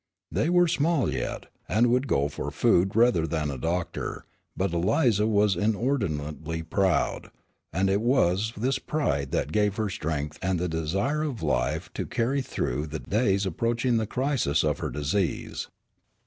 They were small yet, and would go for food rather than a doctor, but Eliza was inordinately proud, and it was this pride that gave her strength and the desire of life to carry her through the days approaching the crisis of her disease.